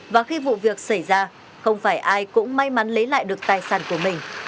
và khi vụ việc xảy ra không phải ai cũng may mắn lấy lại được tài sản của mình